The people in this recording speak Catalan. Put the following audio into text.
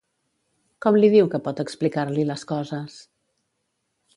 Com li diu que pot explicar-li les coses?